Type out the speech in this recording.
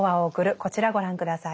こちらご覧下さい。